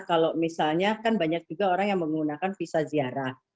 kalau misalnya kan banyak juga orang yang menggunakan visa ziarah